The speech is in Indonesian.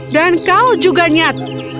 dan kau juga nyat